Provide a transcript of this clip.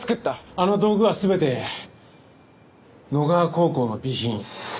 あの道具は全て野川高校の備品。